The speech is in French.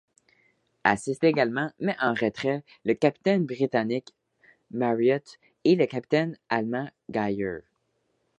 Assistent également, mais en retrait, le capitaine britannique Mariott et le capitaine allemand Geyer.